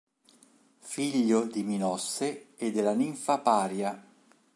Figlio di Minosse e della ninfa Paria.